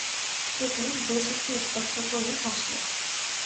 Katie বেশ-একটু স্পষ্ট করেই হাসলে।